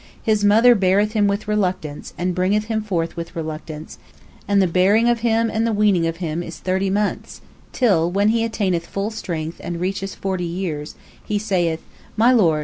His mother beareth him with reluctance, and bringeth him forth with reluctance, and the bearing of him and the weaning of him is thirty months, till, when he attaineth full strength and reacheth forty years, he saith: My Lord!